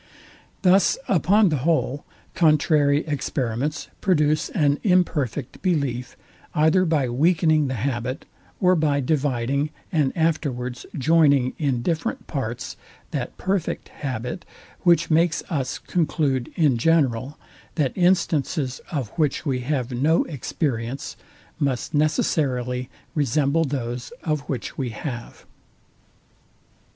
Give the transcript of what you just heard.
Thus upon the whole, contrary experiments produce an imperfect belief, either by weakening the habit, or by dividing and afterwards joining in different parts, that perfect habit, which makes us conclude in general, that instances, of which we have no experience, must necessarily resemble those of which we have.